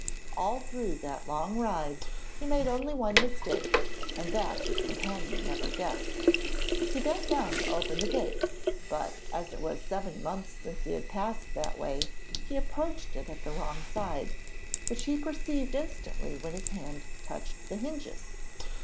All through that long ride he only made one mistake and that his companion never guessed. He bent down to open the gate, but as it was seven months since he had passed that way he approached it at the wrong side, which he perceived instantly when his hand touched the hinges.